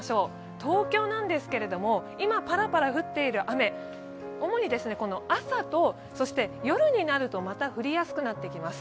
東京なんですけれども今、パラパラ降っている雨、主に朝と、夜になるとまた降りやすくなります。